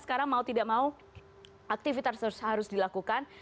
sekarang mau tidak mau aktivitas harus dilakukan